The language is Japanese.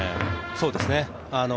そうですね。